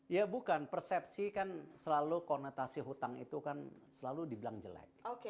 ya bukan persepsi kan selalu konotasi hutang itu kan selalu dibilang jelek